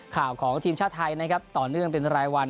ข่าวของทีมชาติไทยต่อนึ่งเป็นรายวัน